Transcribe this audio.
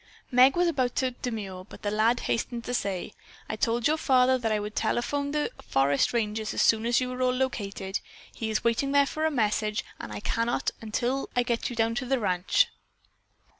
Meg was about to demur, but the lad hastened to say: "I told your father that I would telephone the forest ranger as soon as you all were located. He is waiting there for a message, and I cannot until I get you to the ranch."